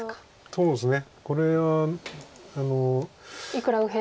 そうですね